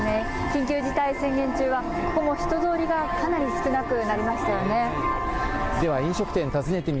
緊急事態宣言中は、ここも人通りがかなり少なくなりましたよね。